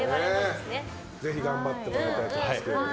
ぜひ頑張ってもらいたいと思いますけどね。